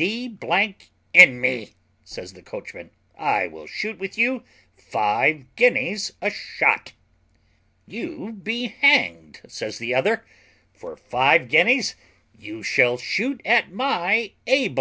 "D n me," says the coachman, "I will shoot with you five guineas a shot." "You be hanged," says the other; "for five guineas you shall shoot at my a